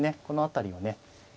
この辺りをね